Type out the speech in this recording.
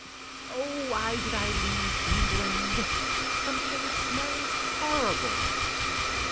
Oh, why did I leave England? Something smells horrible.